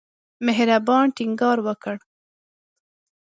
مهربان ټینګار وکړ.